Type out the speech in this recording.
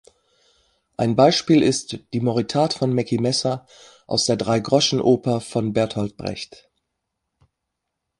Ein Beispiel ist "Die Moritat von Mackie Messer" aus der "Dreigroschenoper" von Bertolt Brecht.